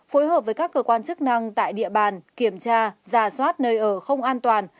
phối hợp với các cơ quan chức năng tại địa bàn kiểm tra giả soát nơi ở không an toàn